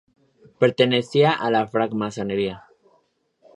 Pertenecía a la Francmasonería.